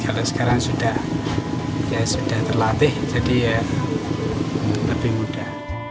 kalau sekarang sudah terlatih jadi ya lebih mudah